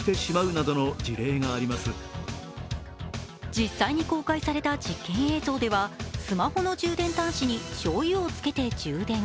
実際に公開された実験映像では、スマホの充電端子にしょうゆをつけて充電。